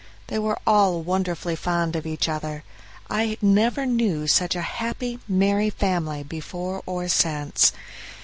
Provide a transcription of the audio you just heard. They were all wonderfully fond of each other; I never knew such a happy, merry family before or since.